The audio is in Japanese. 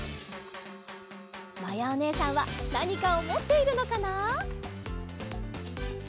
まやおねえさんはなにかをもっているのかな？